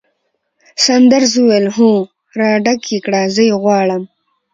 ساندرز وویل: هو، راډک یې کړه، زه یې غواړم.